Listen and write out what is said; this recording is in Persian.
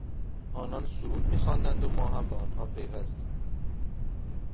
آنان سرود میخواندند و ما هم به آنها پیوستیم.